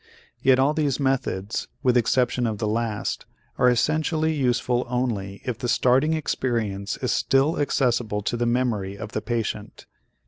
Yet all these methods, with exception of the last, are essentially useful only if the starting experience is still accessible to the memory of the patient.